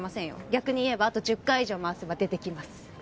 逆に言えばあと１０回以上回せば出てきます